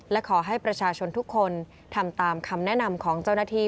และขอให้ประชาชนทุกคนทำตามคำแนะนำของเจ้าหน้าที่